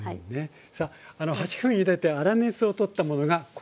さあ８分ゆでて粗熱を取ったものがこちらに。